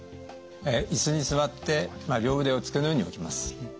椅子に座って両腕を机の上に置きます。